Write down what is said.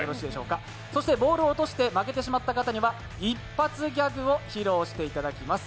そしてボールを落として負けてしまった方には一発ギャグを披露していただきます。